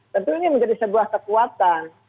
tentu ini menjadi sebuah kekuatan